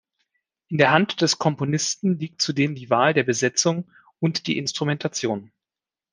In der Hand des Komponisten liegt zudem die Wahl der Besetzung und die Instrumentation.